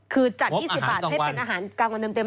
คือจัด๒๐บาทให้เป็นอาหารกลางวันเต็ม